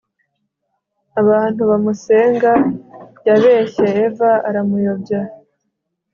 abantu bamusenga yabeshye eva aramuyobya